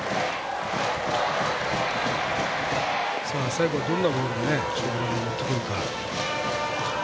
最後はどんなボールで勝負球に持ってくるか。